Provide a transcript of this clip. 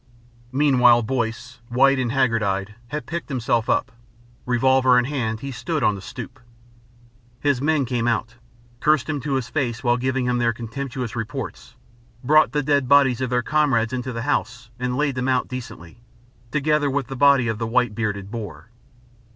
Meanwhile Boyce, white and haggard eyed, had picked himself up; revolver in hand he stood on the stoep. His men came out, cursed him to his face while giving him their contemptuous report brought the dead bodies of their comrades into the house and laid them out decently, together with the body of the white bearded Boer.